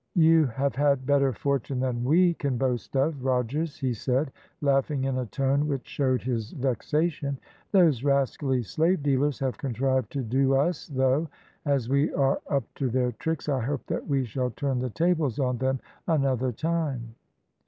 "You have had better fortune than we can boast of, Rogers," he said, laughing in a tone which showed his vexation; "those rascally slave dealers have contrived to do us, though, as we are up to their tricks, I hope that we shall turn the tables on them another time."